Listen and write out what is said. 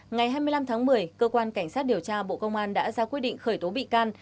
ngày hai mươi năm tháng một mươi cơ quan cảnh sát điều tra bộ công an đã ra quyết định khởi tố bị can